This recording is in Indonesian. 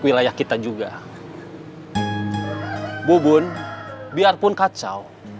bisa kita lihat tadi ke punching badan yang kacau